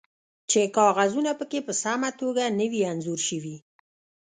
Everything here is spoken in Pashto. چې کاغذونه پکې په سمه توګه نه وي انځور شوي